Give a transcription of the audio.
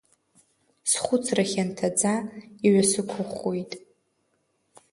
Схәыцра хьанҭаӡа иҩасықәыӷәӷәеит.